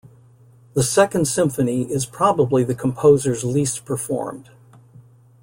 The Second Symphony is probably the composer's least performed.